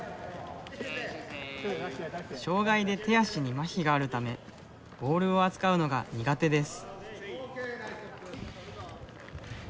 障害で手足にまひがあるためボールを扱うのが苦手です。